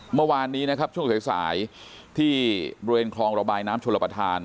เมื่อวานนี้นะครับช่วงสายที่บริเวณคลองระบายน้ำชลประธาน